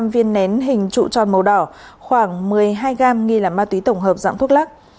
một trăm ba mươi năm viên nén hình trụ tròn màu đỏ khoảng một mươi hai gam nghi là ma túy tổng hợp dạng thuốc lắc